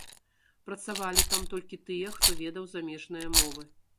Працавалі там толькі тыя, хто ведаў замежныя мовы.